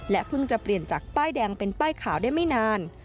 เพิ่งจะเปลี่ยนจากป้ายแดงเป็นป้ายขาวได้ไม่นาน